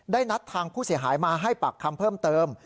นัดทางผู้เสียหายมาให้ปากคำเพิ่มเติม